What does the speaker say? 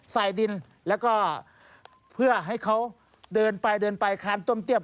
ใส่ดินแล้วก็เพื่อให้เขาเดินไปเดินไปคานต้มเตี้ย